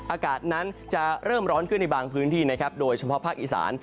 อากาศนั้นจะเริ่มร้อนขึ้นในบางพื้นที่นะครับโดยเฉพาะภาคอีสาน